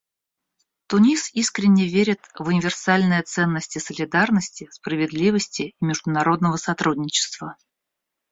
Тунис искренне верит в универсальные ценности солидарности, справедливости и международного сотрудничества.